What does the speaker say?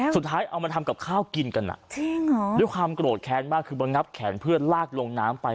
เอามาทำกับข้าวกินกันด้วยความโกรธแค้นมากคือมางับแขนเพื่อนลากลงน้ำไป